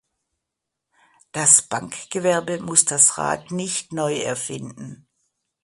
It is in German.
Das Bankgewerbe muss das Rad nicht neu erfinden.